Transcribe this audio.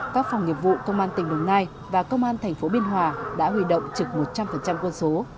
các phòng nghiệp vụ công an tỉnh đồng nai và công an tp biên hòa đã huy động trực một trăm linh quân số